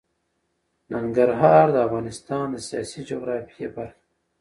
ننګرهار د افغانستان د سیاسي جغرافیه برخه ده.